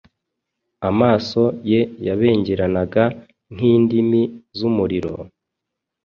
amaso ye yabengeranaga nk’indimi z’umuriro,